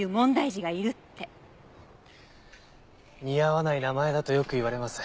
似合わない名前だとよく言われます。